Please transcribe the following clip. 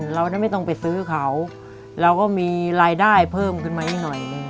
เราได้ไม่ต้องไปซื้อเขาเราก็มีรายได้เพิ่มขึ้นมาอีกหน่อยหนึ่ง